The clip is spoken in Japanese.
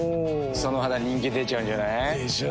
その肌人気出ちゃうんじゃない？でしょう。